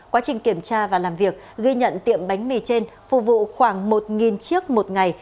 quá trình kiểm tra và làm việc ghi nhận tiệm bánh mì trên phù vụ khoảng một chiếc một ngày